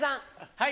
はい。